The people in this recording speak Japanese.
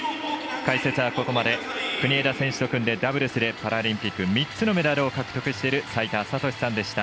解説はここまで国枝選手と組んでダブルスでパラリンピック３つのメダルを獲得している齋田悟司さんでした。